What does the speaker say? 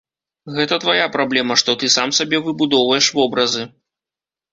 Гэта твая праблема, што ты сам сабе выбудоўваеш вобразы.